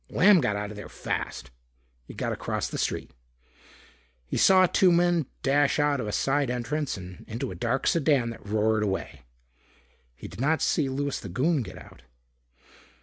Lamb got out of there fast. He got across the street. He saw two men dash out of a side entrance and into a dark sedan that roared away. He did not see Louis the Goon get out.